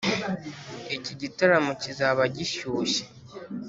iki gitaramo kizaba gishyushye.